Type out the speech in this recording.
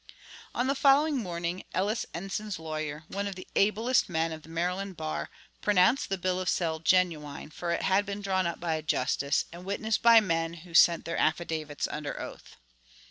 On the following morning Ellis Enson's lawyer, one of the ablest men of the Maryland Bar, pronounced the bill of sale genuine, for it had been drawn up by a justice, and witnessed by men who sent their affadavits under oath.